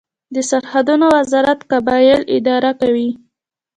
د سرحدونو وزارت قبایل اداره کوي